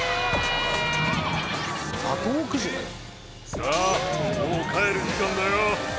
さあもう帰る時間だよ。